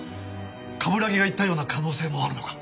冠城が言ったような可能性もあるのか？